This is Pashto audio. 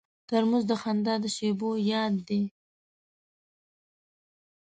ترموز د خندا د شیبو یاد دی.